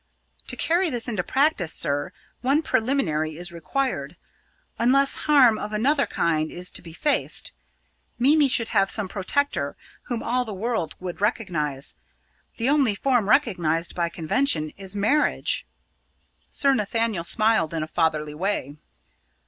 "To carry this into practice, sir, one preliminary is required unless harm of another kind is to be faced. Mimi should have some protector whom all the world would recognise. The only form recognised by convention is marriage!" Sir Nathaniel smiled in a fatherly way.